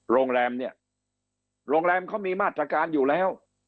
โรงแรมเนี่ยโรงแรมเขามีมาตรการอยู่แล้ว